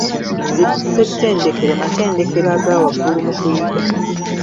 Zi ssettendekero matendekero aga waggulu mu kuyiga.